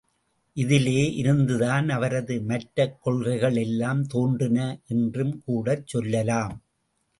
இதிலே இருந்துதான் அவரது மற்ற கொள்கைள் எல்லாம் தோன்றின என்றும் கூடச் சொல்லலாம்!